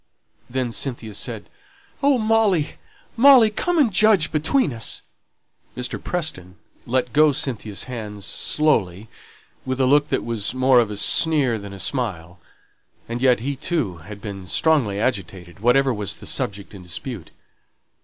Then Cynthia said, "Oh, Molly, Molly, come and judge between us!" Mr. Preston let go Cynthia's hands slowly, with a look that was more of a sneer than a smile; and yet he, too, had been strongly agitated, whatever was the subject in dispute.